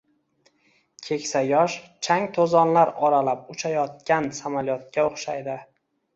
Keksa yosh chang-to’zonlar oralab uchayotgan samolyotga o’xshaydi.